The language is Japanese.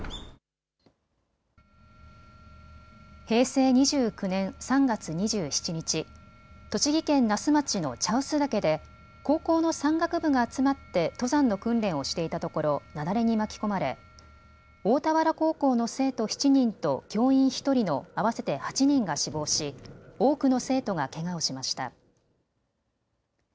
平成２９年３月２７日、栃木県那須町の茶臼岳で高校の山岳部が集まって登山の訓練をしていたところ、雪崩に巻き込まれ大田原高校の生徒７人と教員１人の合わせて８人が死亡し、多くの生徒がけがをしました。